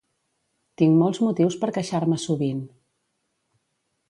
Tinc molts motius per queixar-me sovint.